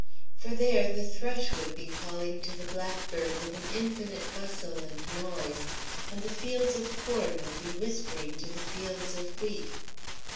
For there the thrush would be calling to the blackbird with an infinite bustle and noise, and the fields of corn would be whispering to the fields of wheat.